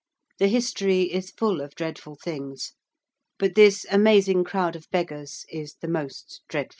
The history is full of dreadful things: but this amazing crowd of beggars is the most dreadful.